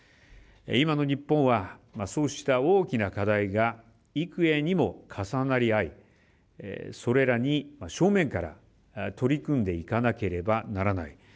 今の日本はそうした大きな課題が幾重にも重なり合いそれらに正面から取り組んでいかなければならない。